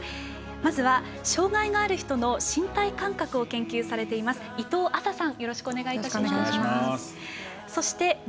まずは、障がいのある方の身体感覚を研究されている伊藤亜紗さん。